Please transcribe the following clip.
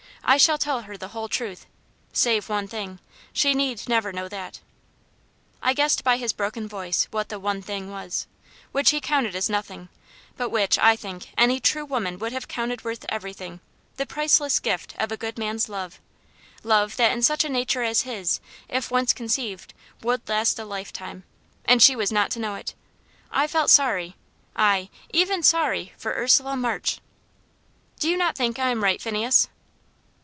I shall tell her the whole truth save one thing. She need never know that." I guessed by his broken voice what the "one thing" was; which he counted as nothing; but which, I think, any true woman would have counted worth everything the priceless gift of a good man's love. Love, that in such a nature as his, if once conceived, would last a lifetime. And she was not to know it! I felt sorry ay, even sorry for Ursula March. "Do you not think I am right, Phineas?"